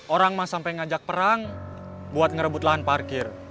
orang mah sampai ngajak perang buat ngebut rahan parkir